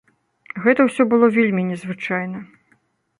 Гэта ўсё было вельмі не звычайна.